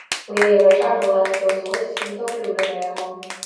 У яе вачах была не то злосць, не то крыўда на яго.